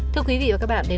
thưa quý vị và các bạn